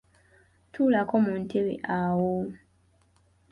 Tuulako mu ntebe awo.